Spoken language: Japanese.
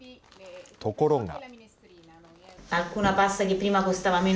ところが。